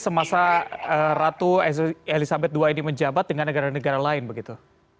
semasa ratu elizabeth ii ini menjabat dengan negara negara lain begitu